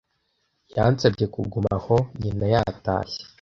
Yansabye kuguma aho nyina yatashye.